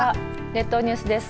列島ニュースです。